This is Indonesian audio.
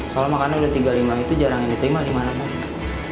soal makanan udah tiga puluh lima itu jarang yang diterima di mana mana